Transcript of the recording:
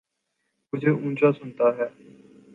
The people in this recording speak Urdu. مجھے اونچا سنتا ہے